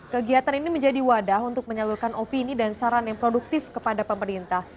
kegiatan ini menjadi wadah untuk menyalurkan opini dan saran yang produktif kepada pemerintah